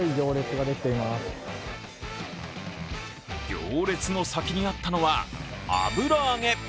行列の先にあったのは、油揚げ。